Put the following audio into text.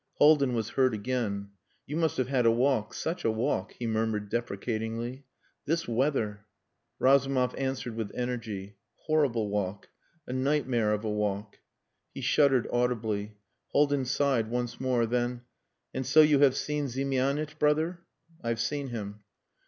Haldin was heard again. "You must have had a walk such a walk,..." he murmured deprecatingly. "This weather...." Razumov answered with energy "Horrible walk.... A nightmare of a walk." He shuddered audibly. Haldin sighed once more, then "And so you have seen Ziemianitch brother?" "I've seen him."